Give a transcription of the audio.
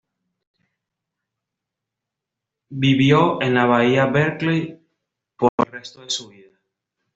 Vivió en la Bahía Berkeley por el resto de su vida.